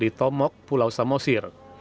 di tomok pulau samosir